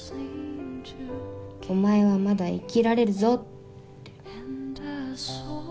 お前はまだ生きられるぞって。